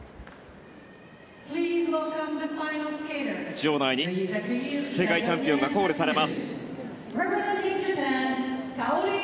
場内に世界チャンピオンがコールされます。